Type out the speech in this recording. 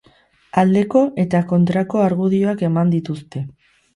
Aldeko eta kontrak argudioak eman dituzte.